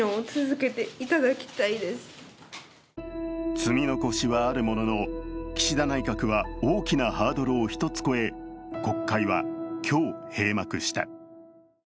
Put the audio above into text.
積み残しはあるものの、岸田内閣は大きなハードルを一つ越え、国会は今日、閉幕した。